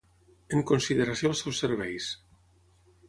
En consideració als seus serveis.